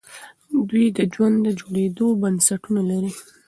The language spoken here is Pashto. دوی د ژوند د جوړېدو بنسټونه لري.